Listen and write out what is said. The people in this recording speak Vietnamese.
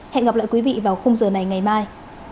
hẹn gặp lại quý vị vào khung giờ này ngày mai